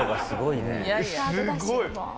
すごい！